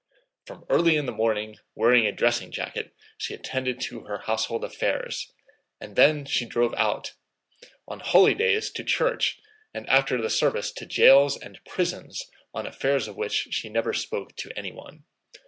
From early in the morning, wearing a dressing jacket, she attended to her household affairs, and then she drove out: on holy days to church and after the service to jails and prisons on affairs of which she never spoke to anyone.